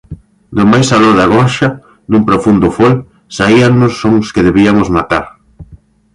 Do máis aló da gorxa, dun profundo fol, saíannos sons que debiamos matar.